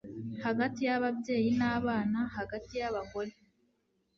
hagati y ababyeyi n abana hagati y abagore